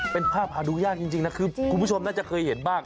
เป็นภาพหาดูยากจริงนะคือคุณผู้ชมน่าจะเคยเห็นบ้าง